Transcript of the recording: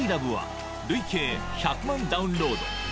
「ＩＬＯＶＥ．．．」は累計１００万ダウンロード